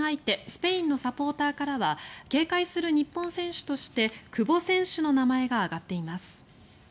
スペインのサポーターからは警戒する日本選手として久保選手の名前が挙がっています。